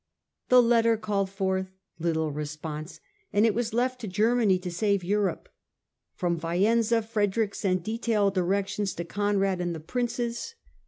The letter called forth little response, and it was left to Germany to save Europe. From Faenza Frederick sent detailed directions to Conrad and the Princes.